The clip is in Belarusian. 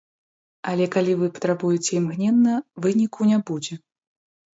Але калі вы патрабуеце імгненна, выніку не будзе.